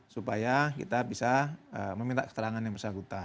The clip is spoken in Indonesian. supaya kita bisa meminta keterangan yang bersangkutan